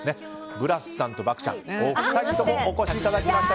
ブラスさんと漠ちゃんお二人ともお越しいただきました。